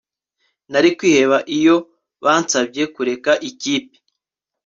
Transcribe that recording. Nari kwiheba iyo bansabye kureka ikipe